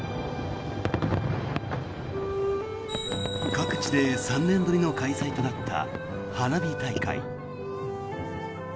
各地で３年ぶりの開催となった花火大会。